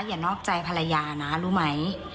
อย่านอกใจภรรยานะรู้ไหม